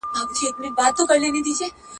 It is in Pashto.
خر چي پر گزاره مړ سي، شهيد دئ.